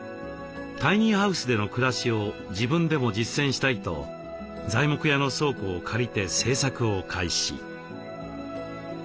タイニーハウスでの暮らしを自分でも実践したいと材木屋の倉庫を借りて製作を開始。